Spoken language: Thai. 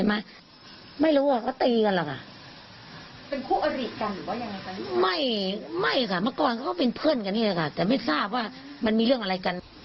ไม่ไม่ค่ะเมื่อก่อนเขาก็เป็นเพื่อนกันนี่แหละค่ะแต่ไม่ทราบว่ามันมีเรื่องอะไรกัน